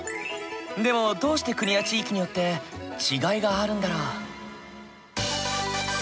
でもどうして国や地域によって違いがあるんだろう？